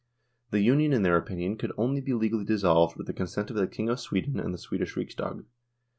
The Union in their opinion could only be legally dissolved with the consent of the King of Sweden and the Swedish Riksdag.